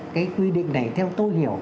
cái quy định này theo tôi hiểu